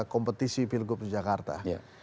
kompetisi pilgub di jakarta